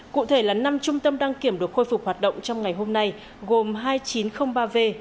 cụ thể là năm trung tâm đăng kiểm được khôi phục hoạt động trong ngày hôm nay gồm hai nghìn chín trăm linh ba v